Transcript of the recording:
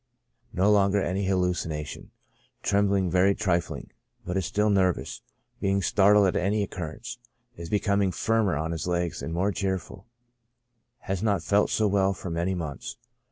No longer any hallucina tion ; trembling very trifling, but is still nervous, being startled at any sudden occurrence ; is becoming firmer on his legs, and more cheerful ; has not felt so well for many months.